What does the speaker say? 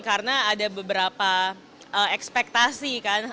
karena ada beberapa ekspektasi kan